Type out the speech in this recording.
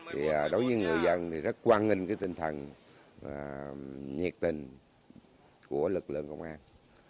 đối với người dân thì rất quan nghênh tinh thần nhiệt tình của lực lượng công an